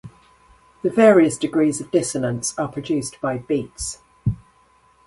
The various degrees of dissonance are produced by beats.